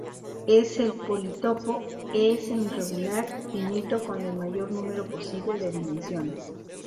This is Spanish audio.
Es el politopo E-semirregular finito con el mayor número posible de dimensiones.